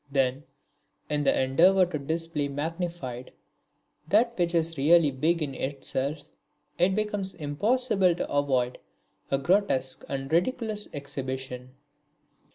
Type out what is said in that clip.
Then, in the endeavour to display magnified that which is really big in itself, it becomes impossible to avoid a grotesque and ridiculous exhibition.